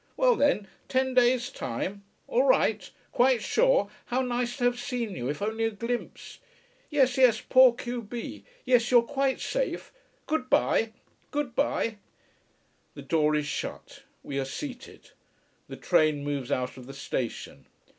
Well then ten days' time. All right quite sure how nice to have seen you, if only a glimpse. Yes, yes, poor q b! Yes, you're quite safe. Good bye! Good bye!" The door is shut we are seated the train moves out of the station.